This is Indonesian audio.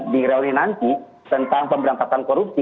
di reori nanti tentang pemberantasan korupsi